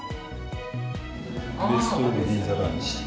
ベストオブ銀座ランチ。